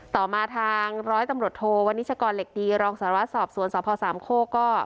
ต่อมาทางร้อยตำรวจโทวันนิชกรเหล็กดีรองศาลวะสอบสวนสอบภาวสามโคก็